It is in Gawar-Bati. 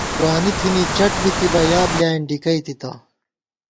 ځوانی تھنی چَٹ بِتِبہ ، یا بۡلیائېن ڈِکَئیتِتہ